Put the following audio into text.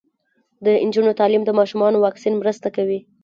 د نجونو تعلیم د ماشومانو واکسین مرسته کوي.